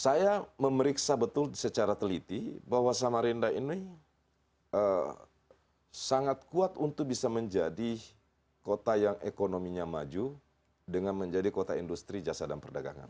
saya memeriksa betul secara teliti bahwa samarinda ini sangat kuat untuk bisa menjadi kota yang ekonominya maju dengan menjadi kota industri jasa dan perdagangan